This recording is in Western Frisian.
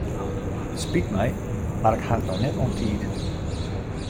It spyt my mar ik ha it no net oan tiid.